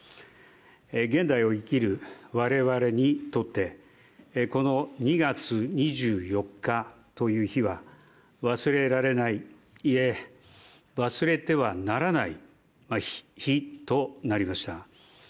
現代を生きる我々にとってこの２月２４日という日は忘れられない、いえ、忘れてはならない日となりました。